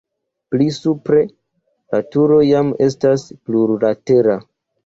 Pli supre la turo jam estas plurlatera.